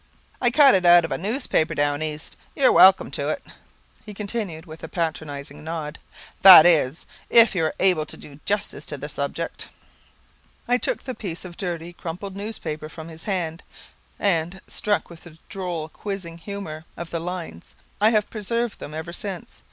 I cut it out of a newspaper down East. You are welcome to it," he continued, with a patronizing nod, "that is, if you are able to do justice to the subject." I took the piece of dirty crumpled newspaper from his hand; and, struck with the droll quizzing humour of the lines, I have preserved them ever since.